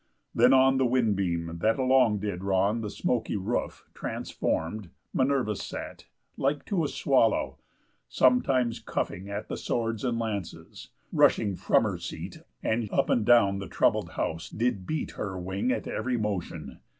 Then on the wind beam that along did ron The smoky roof, transform'd, Minerva sat, Like to a swallow; sometimes cuffing at The swords and lances, rushing from her seat, And up and down the troubl'd house did beat Her wing at ev'ry motion.